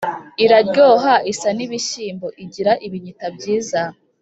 iraryoha isa n’ibishyimbo: igira ibinyita byiza!”